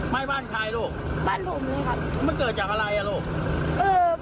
ไหม้บ้านใครลูกบ้านลูกนี้ครับมันเกิดจากอะไรอ่ะลูกเออ